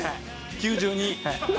９２。